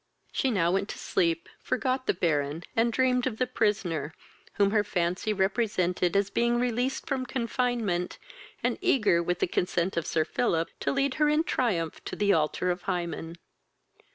She now went to sleep, forgot the Baron, and dreamed of the prisoner, whom her fancy represented as being released from confinement, and eager, with the consent of Sir Philip, to lead her in triumph to the altar of Hymen.